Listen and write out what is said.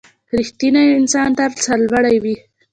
• رښتینی انسان تل سرلوړی وي.